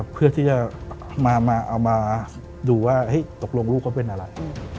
เพื่อที่จะมาดูว่าตกลงลูกเขาเป็นอะไร